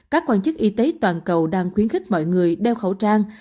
các quan chức y tế toàn cầu đang khuyến khích mọi người đeo khẩu trang